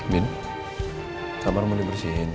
bin kamarmu dibersihin